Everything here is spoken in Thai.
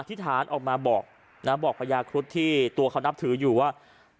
ธิษฐานออกมาบอกนะบอกพญาครุฑที่ตัวเขานับถืออยู่ว่า